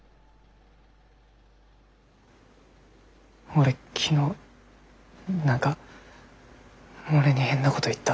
俺昨日何かモネに変なごど言った。